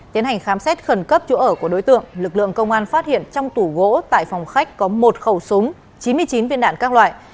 tiến hành khám xét khẩn cấp chỗ ở của đối tượng lực lượng công an phát hiện trong tủ gỗ tại phòng khách có một khẩu súng chín mươi chín viên đạn các loại